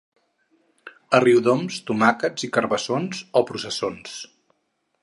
A Riudoms, tomaques i carabassons o professons.